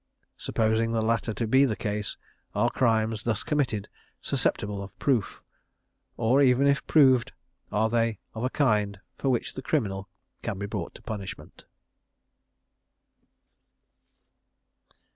Supposing the latter to be the case, are crimes thus committed susceptible of proof, or even if proved, are they of a kind for which the criminal can be brought to punishment?